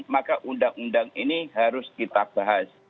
maka undang undang ini harus kita bahas